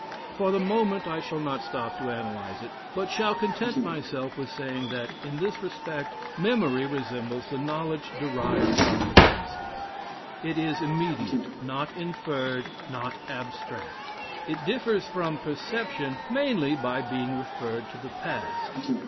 For the moment, I shall not stop to analyse it, but shall content myself with saying that, in this respect, memory resembles the knowledge derived from the senses. It is immediate, not inferred, not abstract; it differs from perception mainly by being referred to the past.